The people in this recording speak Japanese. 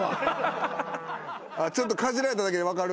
ちょっとかじられただけで分かる？